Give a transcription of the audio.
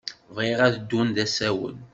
Bɣiɣ ad ddun d asawen.